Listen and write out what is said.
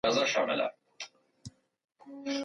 که بدن وچ نه وي، المونیم لرونکي مواد حساسیت پیدا کوي.